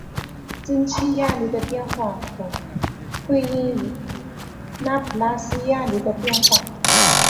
蒸气压力的变化可归因于拉普拉斯压力的变化。